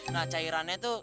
nah cairannya tuh